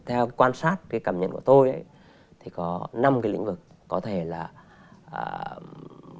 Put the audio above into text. theo quan sát cái cảm nhận của tôi thì có năm cái lĩnh vực có thể là bảo đảm